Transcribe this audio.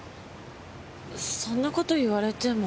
そんな事言われても。